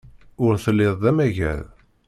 Ur telliḍ d amagad.